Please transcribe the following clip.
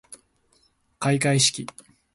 かいかいしき